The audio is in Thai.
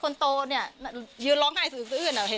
คนโตนี่ยืนร้องไห้ซึ่งอื่นอ่ะ